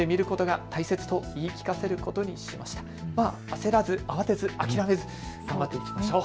焦らず、慌てず、諦めず、頑張っていきましょう。